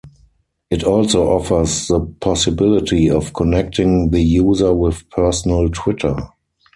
It also offers the possibility of connecting the user with personal Twitter.